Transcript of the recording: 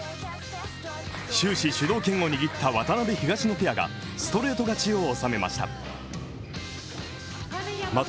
終始、主導権を握った渡辺・東野ペアがストレート勝ちを収めました。